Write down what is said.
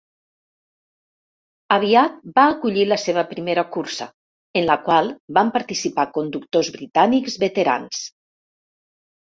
Aviat, va acollir la seva primera cursa, en la qual van participar conductors britànics veterans.